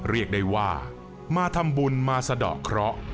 เรียกได้ว่ามาทำบุญมาสะดอกเคราะห์